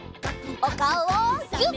おかおをギュッ！